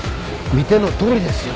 見てのとおりですよ。